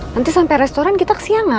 nanti sampai restoran kita kesiangan